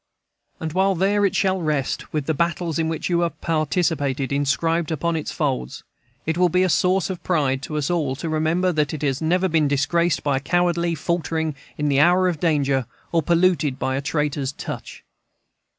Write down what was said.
And while there it shall rest, with the battles in which you have participated inscribed upon its folds, it will be a source of pride to us all to remember that it has never been disgraced by a cowardly faltering in the hour of danger or polluted by a traitor's touch.